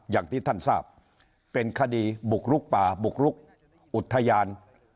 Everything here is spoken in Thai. อย่างที่ท่านทราบเป็นคดีบุกลุกป่าบุกลุกอุทยาน